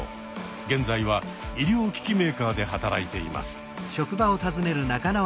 現在は医療機器メーカーで働いています。